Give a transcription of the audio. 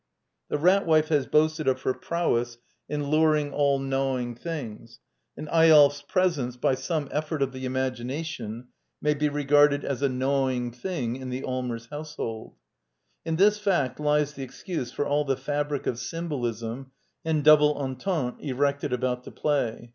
The Rat Wife has boasted of her prowess in luring all gnaw ing things, and Eyolf's presence, by some efiEort of the imagination, may be regarded as a gnawing thing in the Allmers household. In this fact lies the excuse for all the fabric of symbolism and double entente erected about the play.